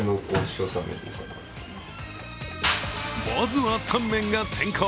まずはタンメンが先行。